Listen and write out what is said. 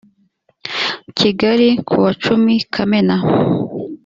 kigali ku wacumi kamena